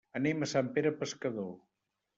Anem a Sant Pere Pescador.